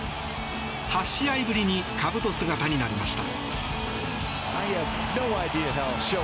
８試合ぶりにかぶと姿になりました。